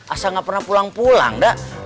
asal enggak pernah pulang pulang dah